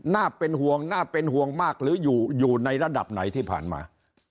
น่าเป็นห่วงน่าเป็นห่วงมากหรืออยู่ในระดับไหนที่ผ่านมา